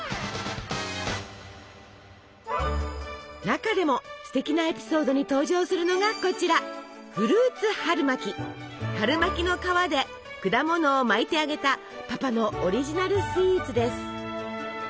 中でもすてきなエピソードに登場するのがこちら春巻きの皮で果物を巻いて揚げたパパのオリジナルスイーツです。